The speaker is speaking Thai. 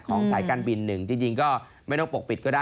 สายการบินหนึ่งจริงก็ไม่ต้องปกปิดก็ได้